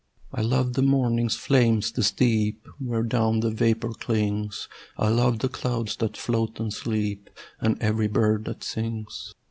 I love the morning's flame, the steep Where down the vapour clings: I love the clouds that float and sleep, And every bird that sings.